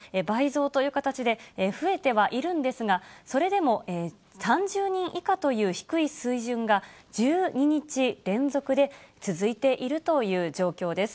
きのうは先週の月曜日と比べまして、倍増という形で、増えてはいるんですが、それでも３０人以下という低い水準が１２日連続で続いているという状況です。